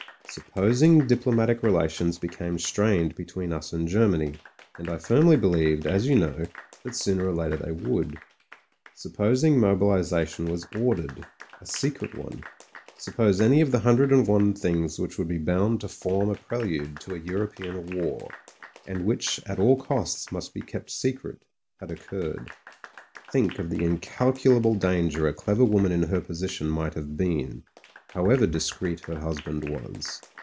Supposing diplo matic relations became strained between us and Ger many — and I firmly believed, as you know, that sooner or later they would; supposing mobilisation was ordered — a secret one; suppose any of the hundred and one things which would be bound to form a pre lude to a European war — ^and which at all costs must be kept secret — had occurred; think of the incal culable danger a clever woman in her position might have been, however discreet her husband was.